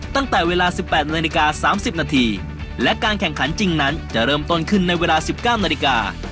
ตั้งแต่เวลา๑๘นาฬิกา๓๐นาทีและการแข่งขันจริงนั้นจะเริ่มต้นขึ้นในเวลา๑๙นาฬิกา